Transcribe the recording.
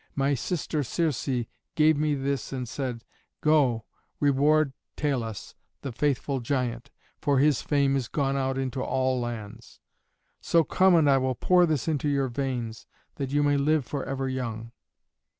My sister Circe gave me this and said, 'Go, reward Talus, the faithful giant, for his fame is gone out into all lands.' So come and I will pour this into your veins, that you may live for ever young."